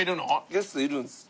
ゲストいるんです。